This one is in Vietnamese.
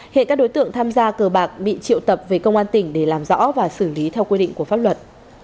hiện các đối tượng tham gia cờ bạc bị triệu tập về công an tỉnh để làm rõ và xử lý theo quy định của pháp luật